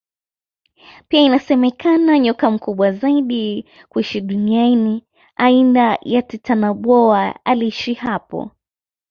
Pia inasemekana nyoka mkubwa zaidi kuishi duniani aina ya titanoboa aliishi hapo